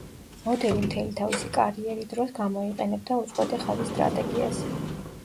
მოდელი მთელი თავისი კარიერი დროს გამოიყენებდა უწყვეტი ხაზის სტრატეგიას.